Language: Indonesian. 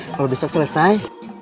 kalau besok selesai